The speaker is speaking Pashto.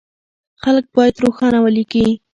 خلک بايد روښانه وليکي.